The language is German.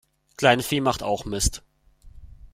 Kleinvieh macht auch Mist.